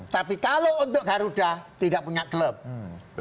tapi kalau untuk garuda tidak punya klub